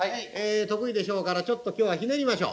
得意でしょうからちょっと今日はひねりましょう。